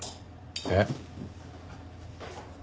えっ？